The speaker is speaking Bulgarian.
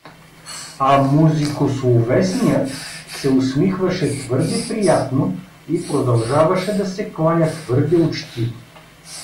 А музикословесният се усмихваше твърде приятно и продължаваше да се кланя твърде учтиво.